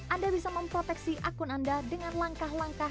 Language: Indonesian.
anda bisa memproteksi akun anda dengan langkah langkah